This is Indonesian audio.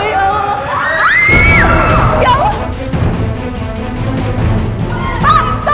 kak kang jaka